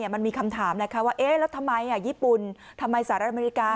มันมีคำถามนะคะว่าแล้วทำไมญี่ปุ่นทำไมสหรัฐอเมริกา